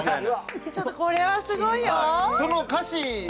ちょっとこれはすごいよ。